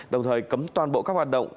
đồng thời cấm toàn bộ các hoạt động